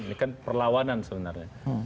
ini kan perlawanan sebenarnya